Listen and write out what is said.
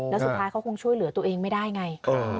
แล้วสุดท้ายเขาคงช่วยเหลือตัวเองไม่ได้ไง